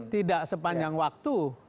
tidak sepanjang waktu